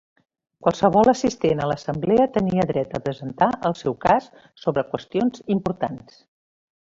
Qualsevol assistent a l'assemblea tenia dret a presentar el seu cas sobre qüestions importants.